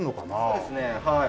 そうですねはい。